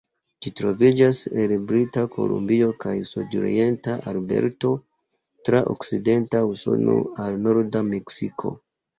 Ĝi troviĝas el Brita Kolumbio kaj sudorienta Alberto, tra okcidenta Usono al norda Meksiko.